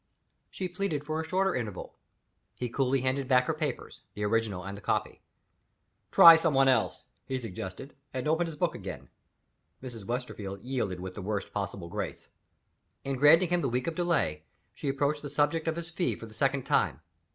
She pleaded for a shorter interval. He coolly handed back her papers; the original and the copy. "Try somebody else," he suggested and opened his book again. Mrs. Westerfield yielded with the worst possible grace. In granting him the week of delay, she approached the subject of his fee for the second time.